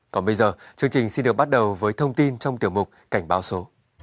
còn bây giờ chương trình xin được bắt đầu với thông tin trong tiểu mục cảnh báo số